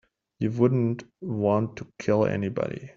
You wouldn't want to kill anybody.